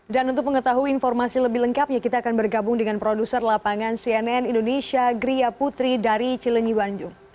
dan untuk mengetahui informasi lebih lengkapnya kita akan bergabung dengan produser lapangan cnn indonesia gria putri dari cilenyi banjung